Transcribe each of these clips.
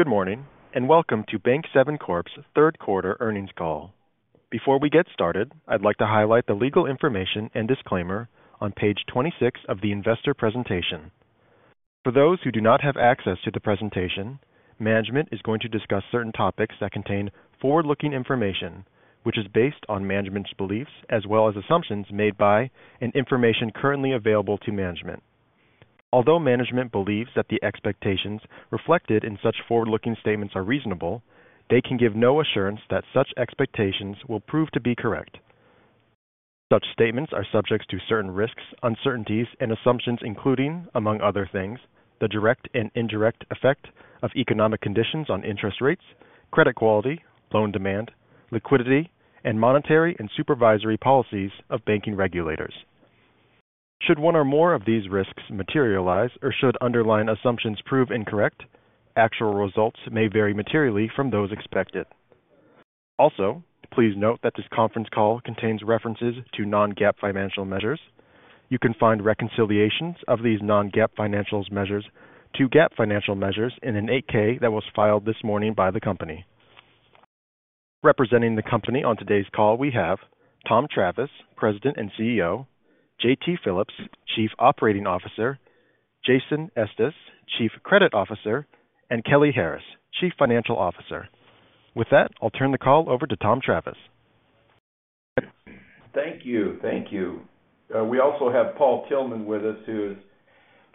Good morning, and welcome to Bank7 Corp.'s third quarter earnings call. Before we get started, I'd like to highlight the legal information and disclaimer on Page 26 of the investor presentation. For those who do not have access to the presentation, management is going to discuss certain topics that contain forward-looking information, which is based on management's beliefs as well as assumptions made by and information currently available to management. Although management believes that the expectations reflected in such forward-looking statements are reasonable, they can give no assurance that such expectations will prove to be correct. Such statements are subject to certain risks, uncertainties, and assumptions, including, among other things, the direct and indirect effect of economic conditions on interest rates, credit quality, loan demand, liquidity, and monetary and supervisory policies of banking regulators. Should one or more of these risks materialize or should underlying assumptions prove incorrect, actual results may vary materially from those expected. Also, please note that this conference call contains references to non-GAAP financial measures. You can find reconciliations of these non-GAAP financial measures to GAAP financial measures in an 8-K that was filed this morning by the company. Representing the company on today's call, we have Tom Travis, President and CEO, J.T. Phillips, Chief Operating Officer, Jason Estes, Chief Credit Officer, and Kelly Harris, Chief Financial Officer. With that, I'll turn the call over to Tom Travis. Thank you. Thank you. We also have Paul Tillman with us, who is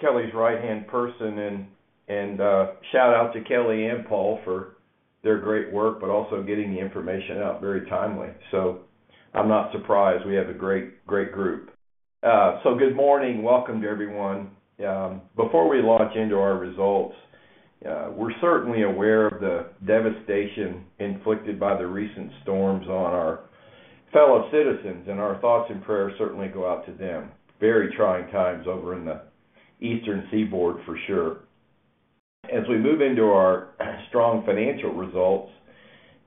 Kelly's right-hand person, and shout out to Kelly and Paul for their great work, but also getting the information out very timely. So I'm not surprised. We have a great, great group. So good morning. Welcome to everyone. Before we launch into our results, we're certainly aware of the devastation inflicted by the recent storms on our fellow citizens, and our thoughts and prayers certainly go out to them. Very trying times over in the Eastern Seaboard for sure. As we move into our strong financial results,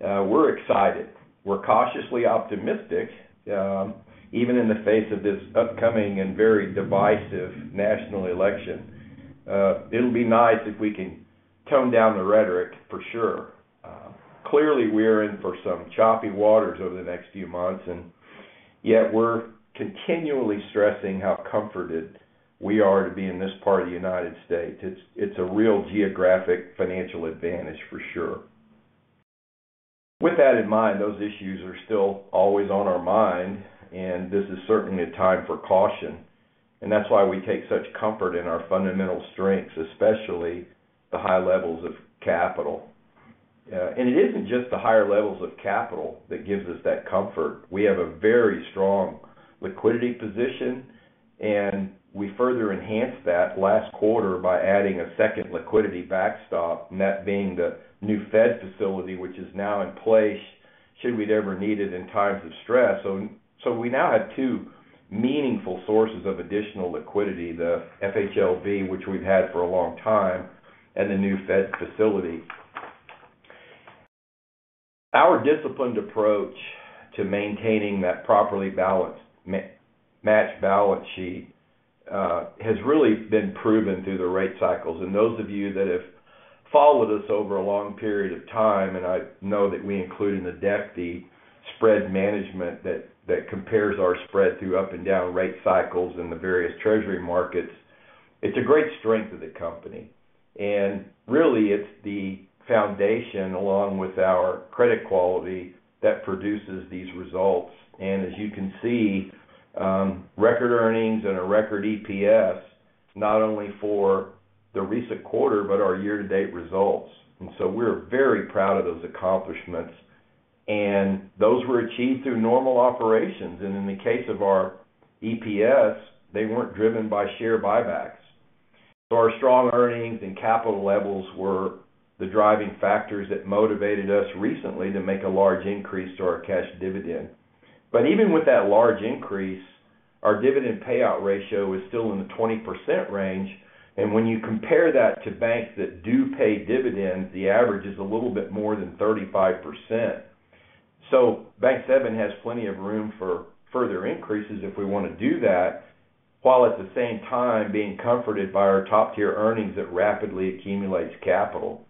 we're excited. We're cautiously optimistic, even in the face of this upcoming and very divisive national election. It'll be nice if we can tone down the rhetoric, for sure. Clearly, we're in for some choppy waters over the next few months, and yet we're continually stressing how comforted we are to be in this part of the United States. It's a real geographic financial advantage for sure. With that in mind, those issues are still always on our mind, and this is certainly a time for caution, and that's why we take such comfort in our fundamental strengths, especially the high levels of capital, and it isn't just the higher levels of capital that gives us that comfort. We have a very strong liquidity position, and we further enhanced that last quarter by adding a second liquidity backstop, and that being the new Fed facility, which is now in place should we ever need it in times of stress. So we now have two meaningful sources of additional liquidity, the FHLB, which we've had for a long time, and the new Fed facility. Our disciplined approach to maintaining that properly balanced matched balance sheet has really been proven through the rate cycles. And those of you that have followed us over a long period of time, and I know that we include in the deck spread management that compares our spread through up and down rate cycles in the various Treasury markets. It's a great strength of the company, and really, it's the foundation, along with our credit quality, that produces these results. And as you can see, record earnings and a record EPS, not only for the recent quarter, but our year-to-date results. And so we're very proud of those accomplishments. And those were achieved through normal operations. And in the case of our EPS, they weren't driven by share buybacks. So our strong earnings and capital levels were the driving factors that motivated us recently to make a large increase to our cash dividend. But even with that large increase, our dividend payout ratio is still in the 20% range, and when you compare that to banks that do pay dividends, the average is a little bit more than 35%. So Bank7 has plenty of room for further increases if we want to do that, while at the same time being comforted by our top-tier earnings that rapidly accumulates capital.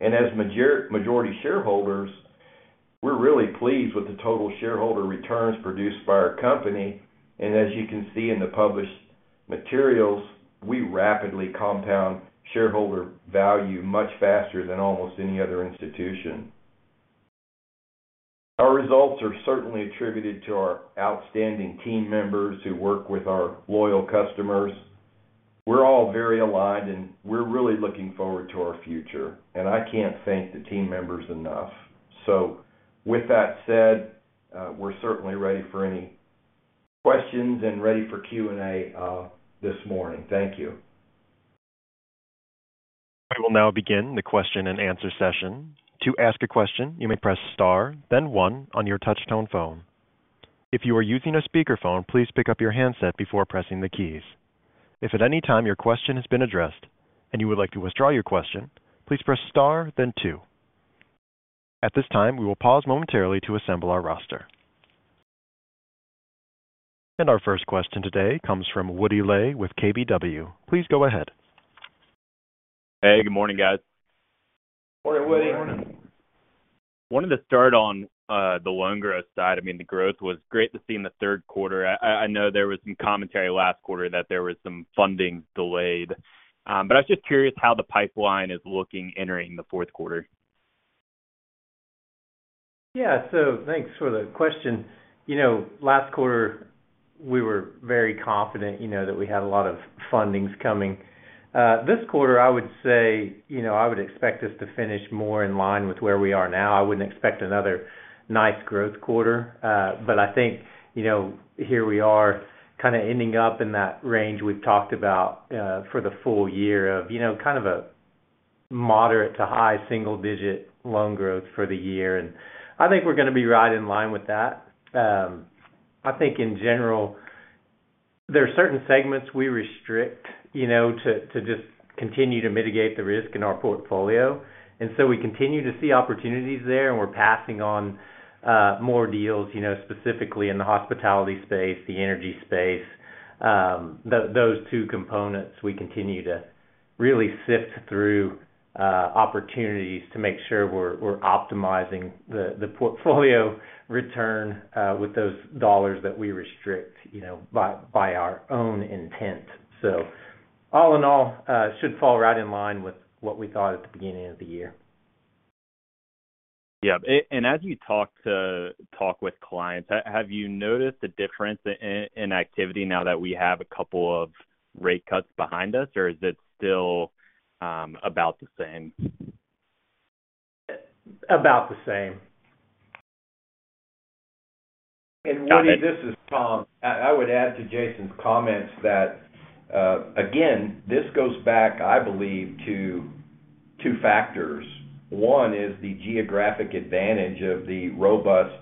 And as majority shareholders, we're really pleased with the total shareholder returns produced by our company. And as you can see in the published materials, we rapidly compound shareholder value much faster than almost any other institution. Our results are certainly attributed to our outstanding team members who work with our loyal customers. We're all very aligned, and we're really looking forward to our future, and I can't thank the team members enough. So with that said, we're certainly ready for any questions and ready for Q&A, this morning. Thank you. We will now begin the question-and-answer session. To ask a question, you may press Star, then one on your touch-tone phone. If you are using a speakerphone, please pick up your handset before pressing the keys. If at any time your question has been addressed and you would like to withdraw your question, please press Star then two. At this time, we will pause momentarily to assemble our roster... and our first question today comes from Woody Lay with KBW. Please go ahead. Hey, good morning, guys. Morning, Woody Lay Wanted to start on the loan growth side. I mean, the growth was great to see in the third quarter. I know there was some commentary last quarter that there was some funding delayed. But I was just curious how the pipeline is looking entering the fourth quarter. Yeah. So thanks for the question. You know, last quarter, we were very confident, you know, that we had a lot of fundings coming. This quarter, I would say, you know, I would expect us to finish more in line with where we are now. I wouldn't expect another nice growth quarter. But I think, you know, here we are, kind of ending up in that range we've talked about, for the full-year of, you know, kind of a moderate to high single-digit loan growth for the year. And I think we're going to be right in line with that. I think in general, there are certain segments we restrict, you know, to, to just continue to mitigate the risk in our portfolio. And so we continue to see opportunities there, and we're passing on more deals, you know, specifically in the hospitality space, the energy space. Those two components, we continue to really sift through opportunities to make sure we're optimizing the portfolio return with those dollars that we restrict, you know, by our own intent. So all in all, should fall right in line with what we thought at the beginning of the year. Yeah. And as you talk with clients, have you noticed a difference in activity now that we have a couple of rate cuts behind us, or is it still about the same? About the same. Woody, this is Tom. I would add to Jason's comments that, again, this goes back, I believe, to two factors. One is the geographic advantage of the robust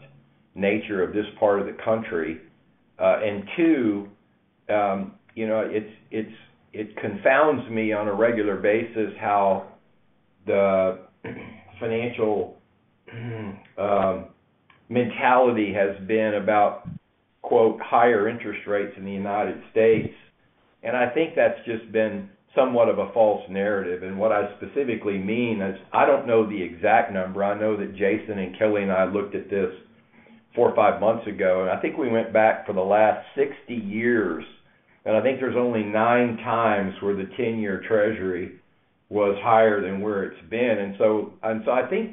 nature of this part of the country. Two, you know, it confounds me on a regular basis, how the financial mentality has been about, quote, "higher interest rates" in the United States. I think that's just been somewhat of a false narrative. What I specifically mean is, I don't know the exact number. I know that Jason and Kelly and I looked at this four or five months ago, and I think we went back for the last 60 years, and I think there's only 9x where the 10-year Treasury was higher than where it's been. And so I think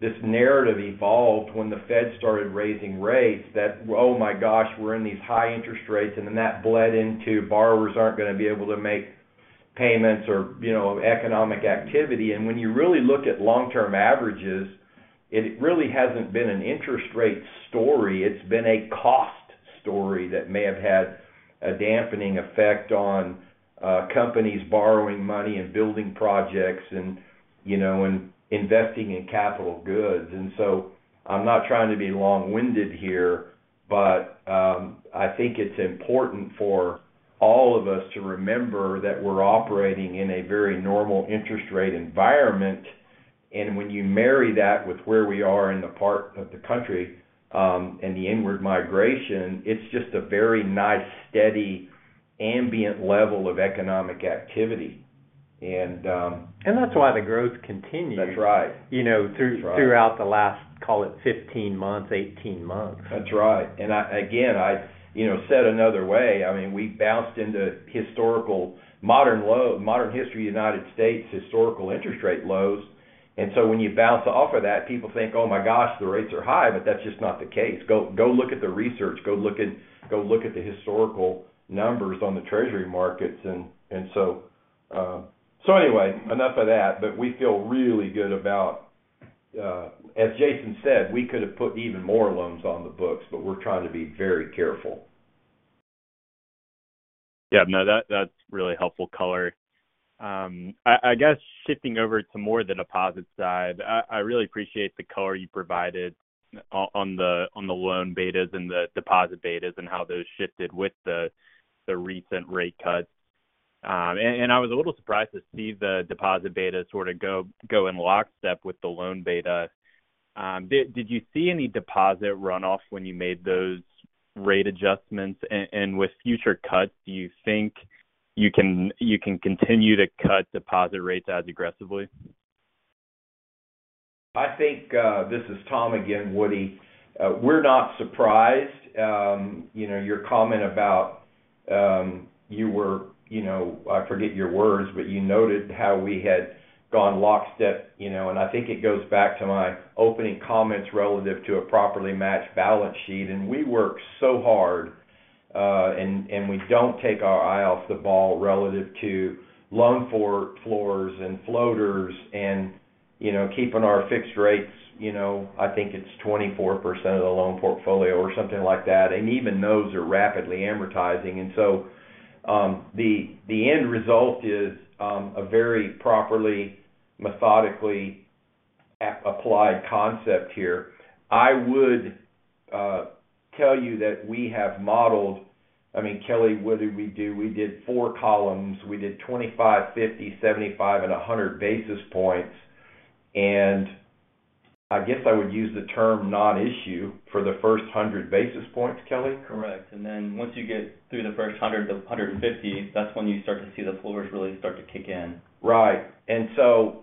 this narrative evolved when the Fed started raising rates, that, "Oh, my gosh, we're in these high interest rates," and then that bled into borrowers aren't going to be able to make payments or, you know, economic activity. And when you really look at long-term averages, it really hasn't been an interest rate story, it's been a cost story that may have had a dampening effect on companies borrowing money and building projects and, you know, and investing in capital goods. And so I'm not trying to be long-winded here, but I think it's important for all of us to remember that we're operating in a very normal interest rate environment. And when you marry that with where we are in the part of the country, and the inward migration, it's just a very nice, steady, ambient level of economic activity. And, And that's why the growth continues. That's right... you know, through- That's right Throughout the last, call it fifteen months, eighteen months. That's right. And again, you know, said another way, I mean, we bounced into historical, modern low modern history of the United States, historical interest rate lows. And so when you bounce off of that, people think, "Oh, my gosh, the rates are high," but that's just not the case. Go look at the research, go look at the historical numbers on the treasury markets. And so anyway, enough of that. But we feel really good about. As Jason said, we could have put even more loans on the books, but we're trying to be very careful. Yeah. No, that, that's really helpful color. I guess shifting over to more the deposit side, I really appreciate the color you provided on the loan betas and the deposit betas, and how those shifted with the recent rate cuts. And I was a little surprised to see the deposit beta sort of go in lockstep with the loan beta. Did you see any deposit runoff when you made those rate adjustments? And with future cuts, do you think you can continue to cut deposit rates as aggressively? I think, this is Tom again, Woody. We're not surprised. You know, your comment about, you were, you know, I forget your words, but you noted how we had gone lockstep, you know, and I think it goes back to my opening comments relative to a properly matched balance sheet. We work so hard, and we don't take our eye off the ball relative to loan floors and floaters and, you know, keeping our fixed rates, you know, I think it's 24% of the loan portfolio or something like that, and even those are rapidly amortizing. So, the end result is, a very properly, methodically applied concept here. I would tell you that we have modeled... I mean, Kelly, what did we do? We did four columns. We did 25, 50, 75 and 100 basis points, and I guess I would use the term non-issue for the first hundred basis points, Kelly? Correct. And then once you get through the first hundred to hundred and fifty, that's when you start to see the floors really start to kick in. Right. And so,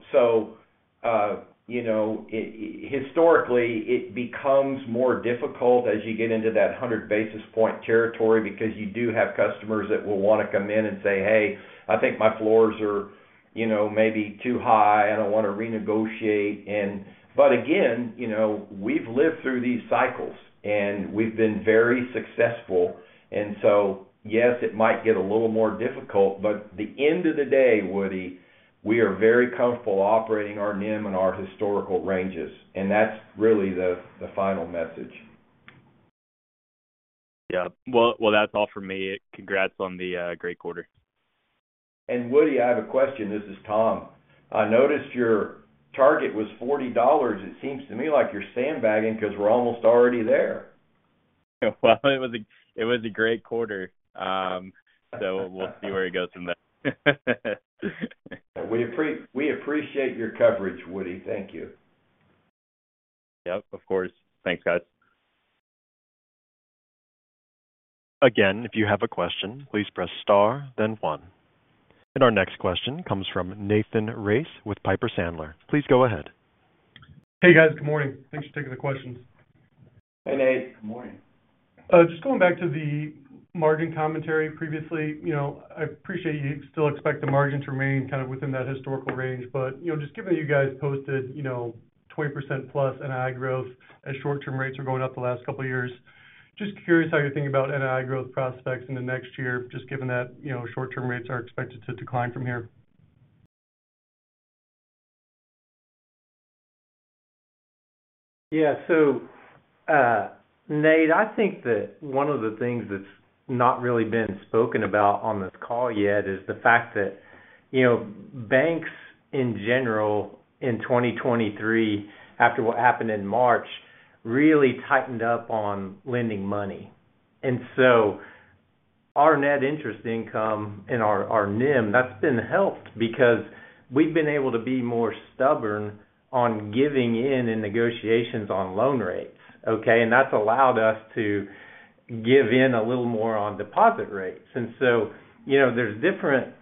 you know, historically, it becomes more difficult as you get into that hundred basis point territory because you do have customers that will wanna come in and say, "Hey, I think my floors are, you know, maybe too high, and I wanna renegotiate." And, but again, you know, we've lived through these cycles, and we've been very successful. And so, yes, it might get a little more difficult, but the end of the day, Woody, we are very comfortable operating our NIM in our historical ranges, and that's really the final message. Yeah. Well, that's all for me. Congrats on the great quarter. And, Woody, I have a question. This is Tom. I noticed your target was $40. It seems to me like you're sandbagging because we're almost already there. It was a great quarter, so we'll see where it goes from there. We appreciate your coverage, Woody. Thank you. Yep, of course. Thanks, guys. Again, if you have a question, please press Star, then one. And our next question comes from Nathan Race with Piper Sandler. Please go ahead. Hey, guys. Good morning. Thanks for taking the questions. Hey, Nate. Good morning. Just going back to the margin commentary previously, you know, I appreciate you still expect the margins to remain kind of within that historical range, but, you know, just given that you guys posted, you know, 20%+ NII growth as short-term rates are going up the last couple of years, just curious how you're thinking about NII growth prospects in the next year, just given that, you know, short-term rates are expected to decline from here? Yeah. So, Nate, I think that one of the things that's not really been spoken about on this call yet is the fact that, you know, banks, in general, in 2023, after what happened in March, really tightened up on lending money. And so our net interest income and our NIM, that's been helped because we've been able to be more stubborn on giving in negotiations on loan rates, okay? And that's allowed us to give in a little more on deposit rates. And so, you know, there's different,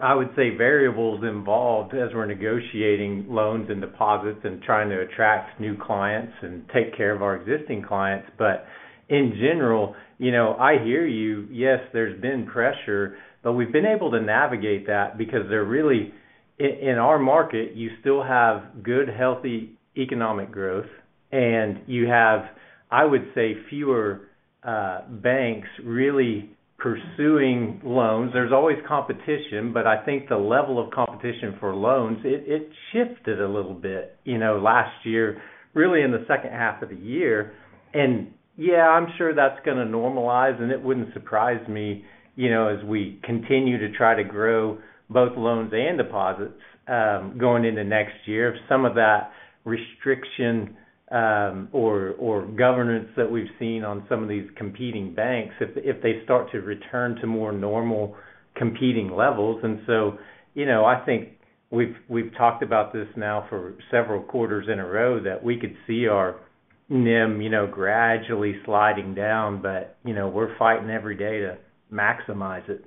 I would say, variables involved as we're negotiating loans and deposits and trying to attract new clients and take care of our existing clients. But in general, you know, I hear you. Yes, there's been pressure, but we've been able to navigate that because they're really... In our market, you still have good, healthy economic growth, and you have, I would say, fewer banks really pursuing loans. There's always competition, but I think the level of competition for loans, it shifted a little bit, you know, last year, really in the second half of the year. Yeah, I'm sure that's gonna normalize, and it wouldn't surprise me, you know, as we continue to try to grow both loans and deposits, going into next year, if some of that restriction, or governance that we've seen on some of these competing banks, if they start to return to more normal competing levels. And so, you know, I think we've talked about this now for several quarters in a row, that we could see our NIM, you know, gradually sliding down, but, you know, we're fighting every day to maximize it.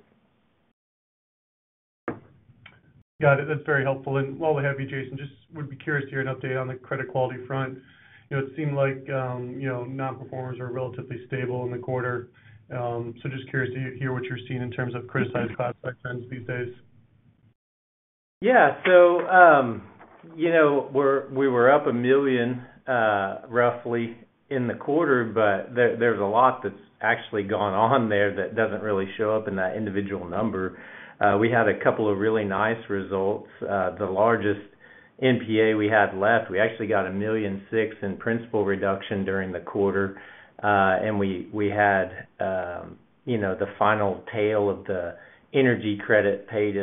Got it. That's very helpful. And while we have you, Jason, just would be curious to hear an update on the credit quality front. You know, it seemed like, you know, nonperformers are relatively stable in the quarter. So just curious to hear what you're seeing in terms of criticized prospect trends these days. Yeah. So, you know, we were up $1 million, roughly in the quarter, but there's a lot that's actually gone on there that doesn't really show up in that individual number. We had a couple of really nice results. The largest NPA we had left, we actually got $1.6 million in principal reduction during the quarter. And we had, you know, the final tail of the energy credit paid,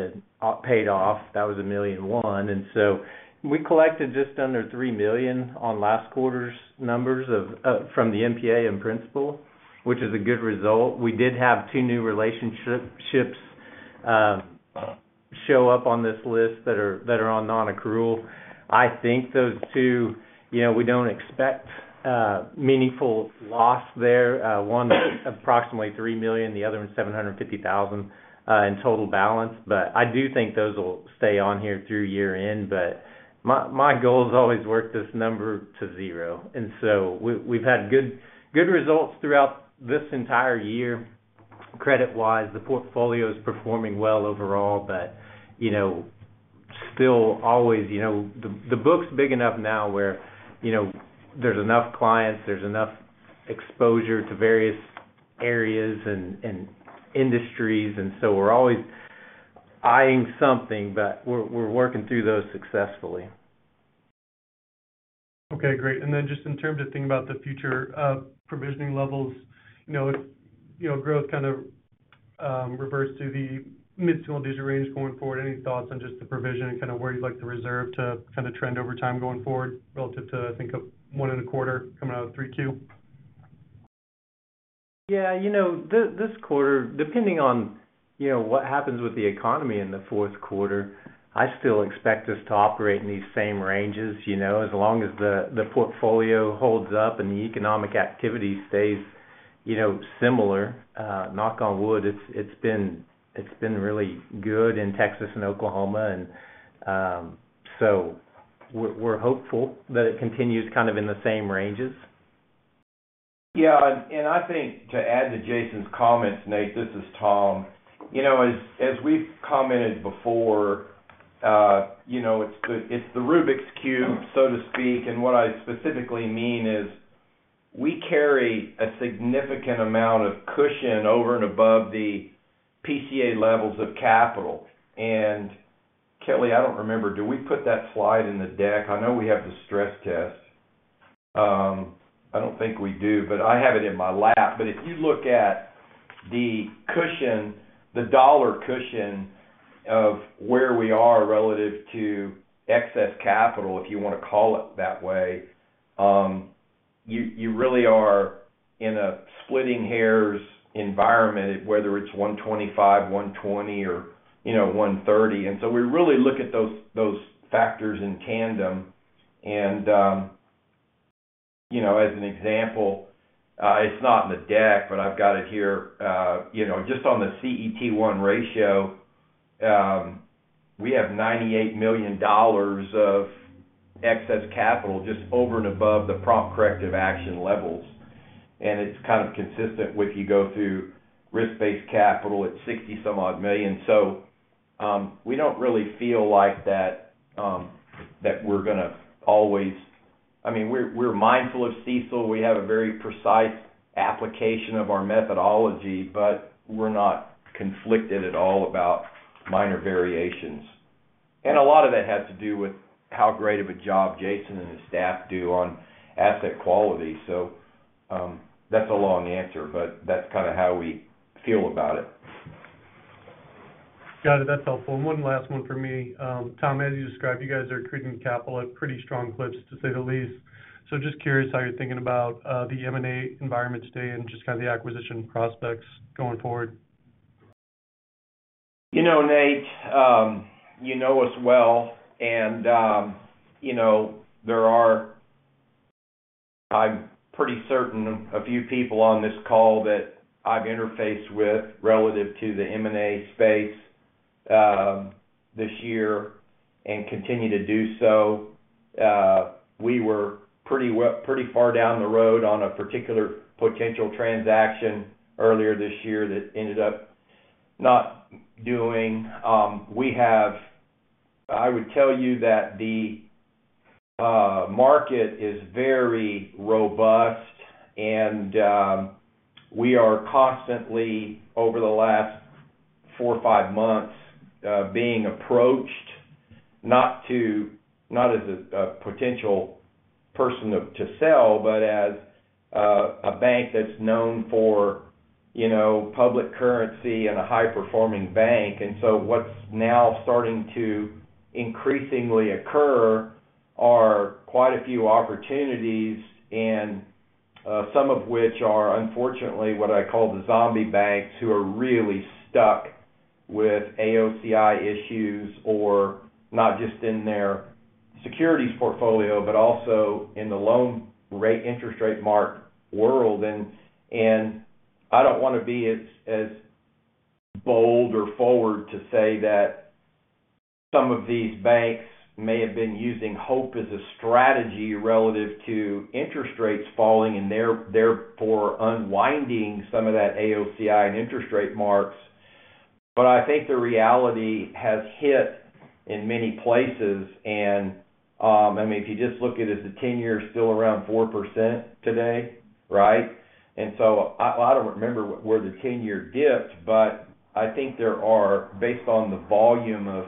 paid off. That was $1.1 million. And so we collected just under $3 million on last quarter's numbers of, from the NPA in principal, which is a good result. We did have two new relationships, show up on this list that are on nonaccrual. I think those two. You know, we don't expect, meaningful loss there. One, approximately $3 million, the other one, $750,000, in total balance. But I do think those will stay on here through year-end. My goal is to always work this number to zero. And so we've had good, good results throughout this entire year, credit-wise. The portfolio is performing well overall, but, you know, still, always, you know. The book's big enough now where, you know, there's enough clients, there's enough exposure to various areas and industries, and so we're always eyeing something, but we're working through those successfully. Okay, great. And then just in terms of thinking about the future, provisioning levels, you know, if, you know, growth kind of reverts to the mid-single digit range going forward, any thoughts on just the provision and kind of where you'd like to reserve to kind of trend over time going forward, relative to, I think, one and a quarter coming out of 3Q? Yeah, you know, this quarter, depending on, you know, what happens with the economy in the fourth quarter, I still expect us to operate in these same ranges, you know, as long as the portfolio holds up and the economic activity stays, you know, similar. Knock on wood, it's been really good in Texas and Oklahoma, and so we're hopeful that it continues kind of in the same ranges. Yeah, and I think to add to Jason's comments, Nate, this is Tom. You know, as we've commented before, you know, it's the Rubik's Cube, so to speak, and what I specifically mean is, we carry a significant amount of cushion over and above the PCA levels of capital. And, Kelly, I don't remember, do we put that slide in the deck? I know we have the stress test. I don't think we do, but I have it in my lap. But if you look at the cushion, the dollar cushion of where we are relative to excess capital, if you want to call it that way, you really are in a splitting hairs environment, whether it's $125, $120, or, you know, $130. And so we really look at those factors in tandem. You know, as an example, it's not in the deck, but I've got it here. You know, just on the CET1 ratio, we have $98 million of excess capital just over and above the prompt corrective action levels. It's kind of consistent with you go through risk-based capital at 60-some-odd million. We don't really feel like that, that we're going to always. I mean, we're mindful of CECL. We have a very precise application of our methodology, but we're not conflicted at all about minor variations. A lot of that has to do with how great of a job Jason and his staff do on asset quality. That's a long answer, but that's kind of how we feel about it. Got it. That's helpful. And one last one for me. Tom, as you described, you guys are treating capital at pretty strong clips, to say the least. So just curious how you're thinking about the M&A environment today and just kind of the acquisition prospects going forward. You know, Nate, you know us well, and, you know, there are, I'm pretty certain, a few people on this call that I've interfaced with relative to the M&A space, this year and continue to do so. We were pretty far down the road on a particular potential transaction earlier this year that ended up not doing. I would tell you that the market is very robust, and, we are constantly, over the last four or five months, being approached, not as a potential person to sell, but as a bank that's known for, you know, public currency and a high-performing bank. And so what's now starting to increasingly occur are quite a few opportunities, and some of which are, unfortunately, what I call the zombie banks, who are really stuck with AOCI issues, or not just in their securities portfolio, but also in the loan rate, interest rate mark world. And I don't want to be as bold or forward to say that some of these banks may have been using hope as a strategy relative to interest rates falling and therefore unwinding some of that AOCI and interest rate marks. But I think the reality has hit in many places. And I mean, if you just look at it, the ten-year is still around 4% today, right? And so I don't remember where the ten-year dipped, but I think there are, based on the volume of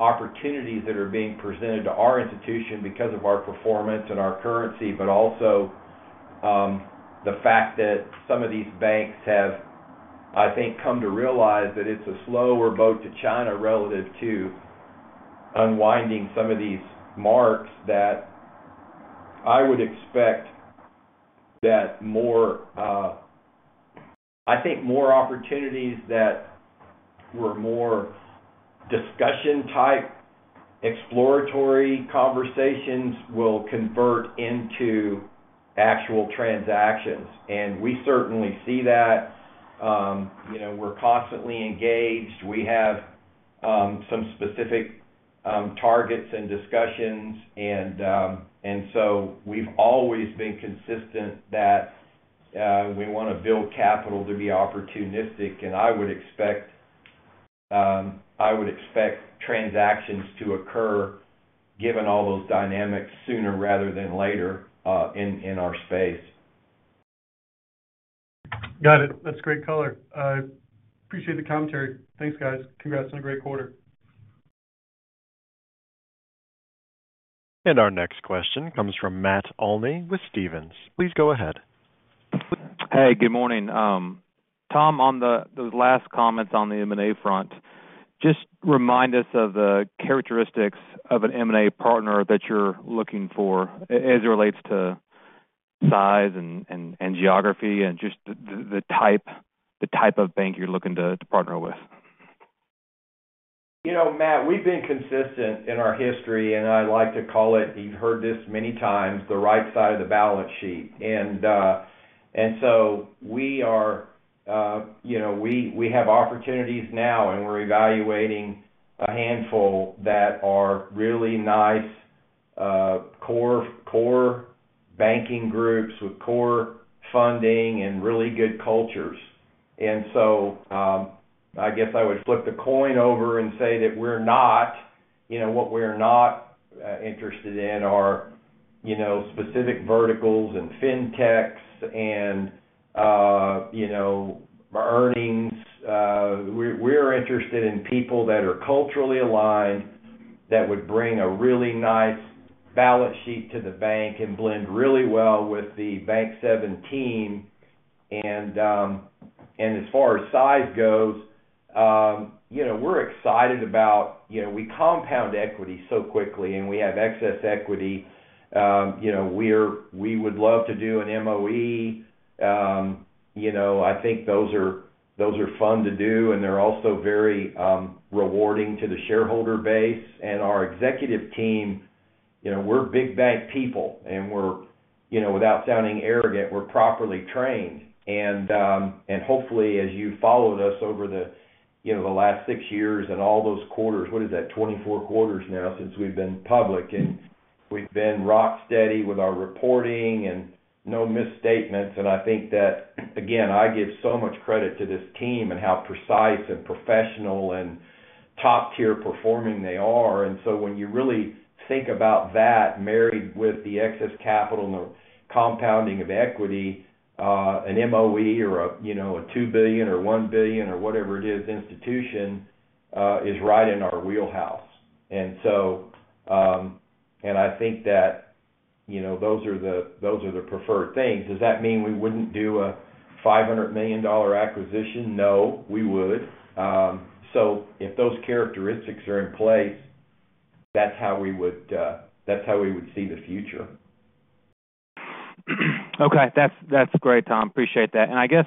opportunities that are being presented to our institution because of our performance and our currency, but also the fact that some of these banks have, I think, come to realize that it's a slower boat to China relative to unwinding some of these marks, that I would expect that more. I think more opportunities that were more discussion type, exploratory conversations will convert into actual transactions. And we certainly see that. You know, we're constantly engaged. We have some specific targets and discussions, and so we've always been consistent that we want to build capital to be opportunistic. And I would expect. I would expect transactions to occur, given all those dynamics, sooner rather than later in our space. Got it. That's great color. I appreciate the commentary. Thanks, guys. Congrats on a great quarter. And our next question comes from Matt Olney with Stephens. Please go ahead. Hey, good morning. Tom, on those last comments on the M&A front... Just remind us of the characteristics of an M&A partner that you're looking for, as it relates to size and geography, and just the type of bank you're looking to partner with. You know, Matt, we've been consistent in our history, and I like to call it, you've heard this many times, the right side of the balance sheet, and so we are. You know, we have opportunities now, and we're evaluating a handful that are really nice core banking groups with core funding and really good cultures, and so I guess I would flip the coin over and say that we're not, you know, what we're not interested in are specific verticals and fintechs and you know earnings. We're interested in people that are culturally aligned, that would bring a really nice balance sheet to the bank and blend really well with the Bank7 team, and as far as size goes, you know, we're excited about... You know, we compound equity so quickly, and we have excess equity. You know, we would love to do an MOE. You know, I think those are fun to do, and they're also very rewarding to the shareholder base and our executive team. You know, we're big bank people, and we're, you know, without sounding arrogant, we're properly trained. And hopefully, as you followed us over the, you know, the last six years and all those quarters, what is that? 24 quarters now since we've been public, and we've been rock steady with our reporting and no misstatements. And I think that, again, I give so much credit to this team and how precise and professional and top-tier performing they are. And so when you really think about that, married with the excess capital and the compounding of equity, an MOE or a, you know, a $2 billion or $1 billion or whatever it is, institution, is right in our wheelhouse. And so, and I think that, you know, those are the, those are the preferred things. Does that mean we wouldn't do a $500 million acquisition? No, we would. So if those characteristics are in place, that's how we would, that's how we would see the future. Okay. That's, that's great, Tom. Appreciate that. And I guess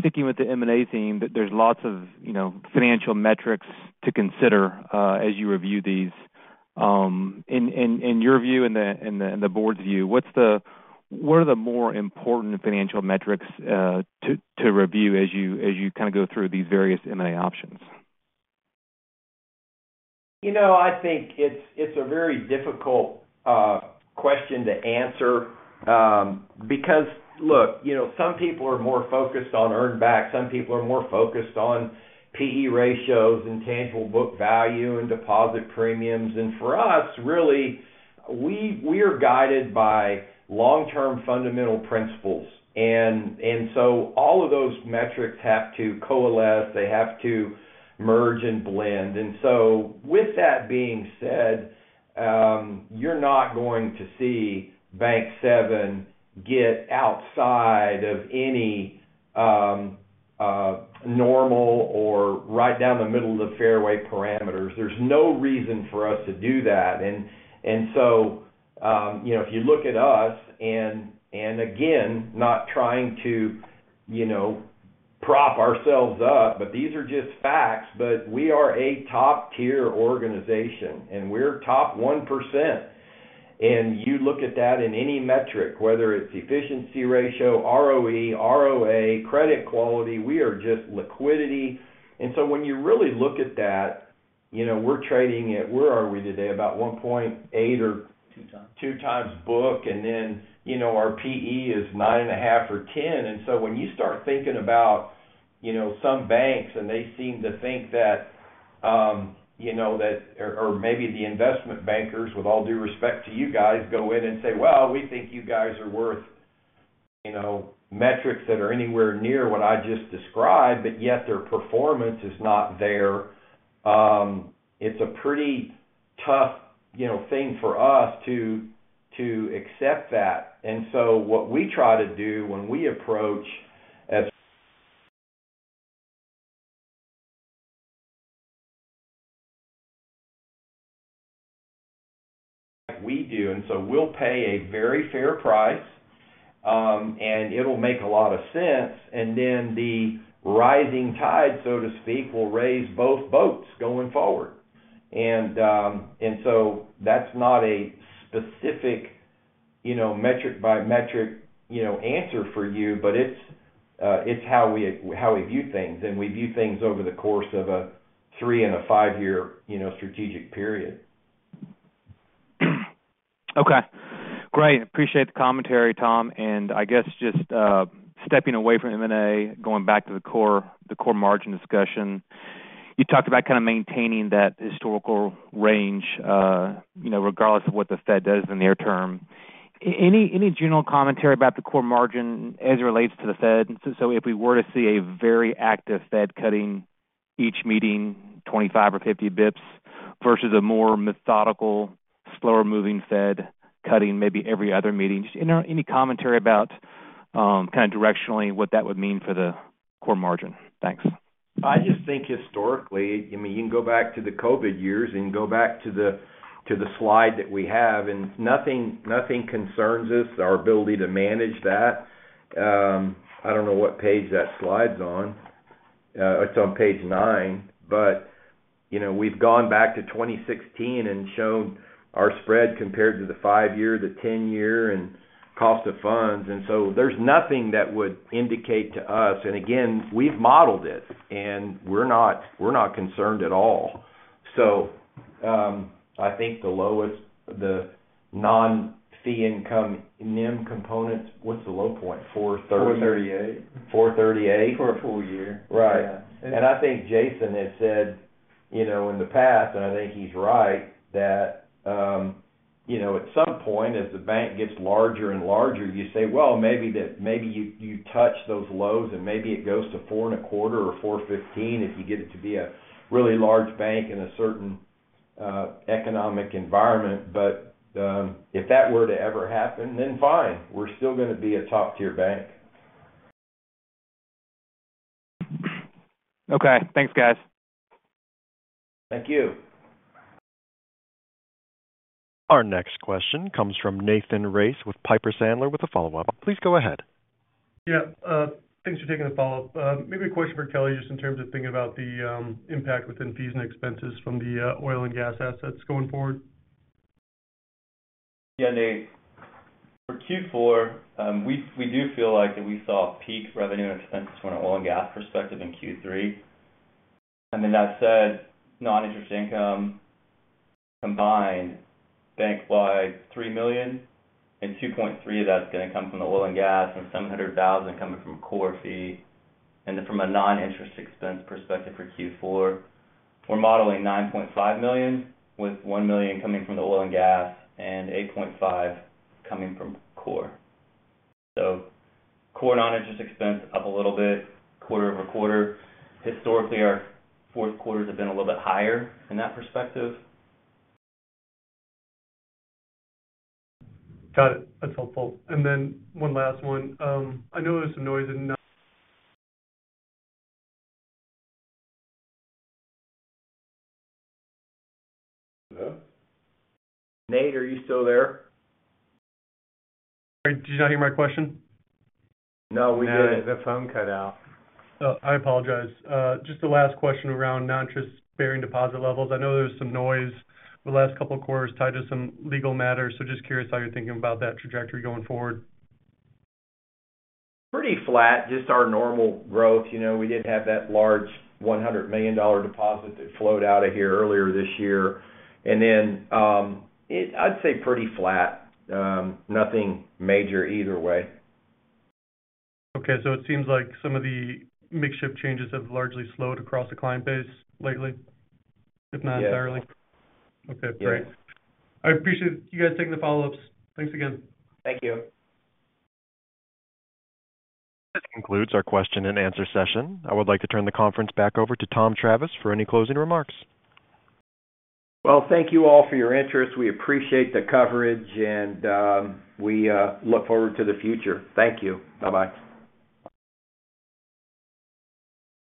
sticking with the M&A theme, that there's lots of, you know, financial metrics to consider as you review these. In your view and the board's view, what's the, what are the more important financial metrics to review as you kind of go through these various M&A options? You know, I think it's a very difficult question to answer, because, look, you know, some people are more focused on earnback, some people are more focused on PE ratios and tangible book value and deposit premiums. And for us, really, we are guided by long-term fundamental principles. And so all of those metrics have to coalesce. They have to merge and blend. And so with that being said, you're not going to see Bank7 get outside of any normal or right down the middle of the fairway parameters. There's no reason for us to do that. And so, you know, if you look at us and again, not trying to, you know, prop ourselves up, but these are just facts, but we are a top-tier organization, and we're top 1%. And you look at that in any metric, whether it's efficiency ratio, ROE, ROA, credit quality; we are just liquidity. And so when you really look at that, you know, we're trading at... Where are we today? About 1.8x or- 2x. Two times book, and then, you know, our PE is 9.5 or 10. And so when you start thinking about, you know, some banks, and they seem to think that, you know, that. Or maybe the investment bankers, with all due respect to you guys, go in and say, "Well, we think you guys are worth," you know, metrics that are anywhere near what I just described, but yet their performance is not there. It's a pretty tough, you know, thing for us to accept that. And so what we try to do when we approach, we do, and so we'll pay a very fair price, and it'll make a lot of sense. And then the rising tide, so to speak, will raise both boats going forward. And so that's not a specific, you know, metric-by-metric, you know, answer for you, but it's how we view things, and we view things over the course of a three and a five-year, you know, strategic period. Okay. Great. Appreciate the commentary, Tom. And I guess just stepping away from M&A, going back to the core margin discussion. You talked about kind of maintaining that historical range, you know, regardless of what the Fed does in the near term. Any general commentary about the core margin as it relates to the Fed? So if we were to see a very active Fed cutting each meeting, 25 or 50 bps versus a more methodical, slower moving Fed, cutting maybe every other meeting. Just, you know, any commentary about kind of directionally, what that would mean for the core margin? Thanks. I just think historically, I mean, you can go back to the COVID years and go back to the slide that we have, and nothing, nothing concerns us, our ability to manage that. I don't know what page that slide's on. It's on Page nine, but you know, we've gone back to 2016 and shown our spread compared to the five year, the ten year, and cost of funds, and so there's nothing that would indicate to us. And again, we've modeled it, and we're not, we're not concerned at all, so I think the lowest, the non-fee income NIM components, what's the low point? 430 438 438. For a full-year. Right. Yeah. I think Jason has said, you know, in the past, and I think he's right, that, you know, at some point, as the bank gets larger and larger, you say, well, maybe you touch those lows, and maybe it goes to four and a quarter or 415 if you get it to be a really large bank in a certain economic environment. But, if that were to ever happen, then fine, we're still gonna be a top-tier bank. Okay. Thanks, guys. Thank you. Our next question comes from Nathan Race with Piper Sandler, with a follow-up. Please go ahead. Yeah, thanks for taking the follow-up. Maybe a question for Kelly, just in terms of thinking about the impact within fees and expenses from the oil and gas assets going forward. Yeah, Nate. For Q4, we do feel like that we saw peak revenue and expenses from an oil and gas perspective in Q3. I mean, that said, non-interest income combined, bank-wide, $3 million, and $2.3 million of that's gonna come from the oil and gas, and $700,000 coming from core fee. And then from a non-interest expense perspective for Q4, we're modeling $9.5 million, with $1 million coming from the oil and gas and $8.5 million coming from core. So core non-interest expense up a little bit, quarter-over-quarter. Historically, our fourth quarters have been a little bit higher in that perspective. Got it. That's helpful, and then one last one. I know there's some noise in... Nate, are you still there? Did you not hear my question? No, we did. No, the phone cut out. Oh, I apologize. Just the last question around non-interest-bearing deposit levels. I know there was some noise the last couple of quarters tied to some legal matters, so just curious how you're thinking about that trajectory going forward. Pretty flat, just our normal growth. You know, we did have that large $100 million deposit that flowed out of here earlier this year. And then, I'd say pretty flat. Nothing major either way. Okay, so it seems like some of the mix shift changes have largely slowed across the client base lately, if not entirely? Yes. Okay, great. Yes. I appreciate you guys taking the follow-ups. Thanks again. Thank you. This concludes our question-and-answer session. I would like to turn the conference back over to Tom Travis for any closing remarks. Thank you all for your interest. We appreciate the coverage, and we look forward to the future. Thank you. Bye-bye.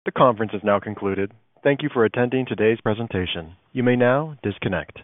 The conference is now concluded. Thank you for attending today's presentation. You may now disconnect.